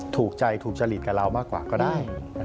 ถูกใจถูกจริตกับเรามากกว่าก็ได้